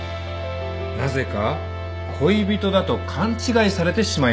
なぜか恋人だと勘違いされてしまいました。